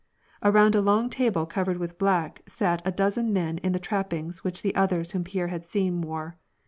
Around a long table covered with black sat a dozen men in the trappings which the others whom Pierre had seen wore.